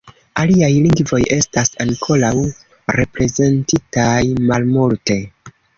Aliaj lingvoj estas ankoraŭ reprezentitaj malmulte.